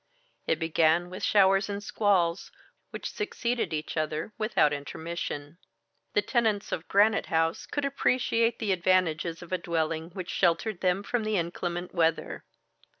It began with showers and squalls, which succeeded each other without intermission. The tenants of Granite House could appreciate the advantages of a dwelling which sheltered them from the inclement weather.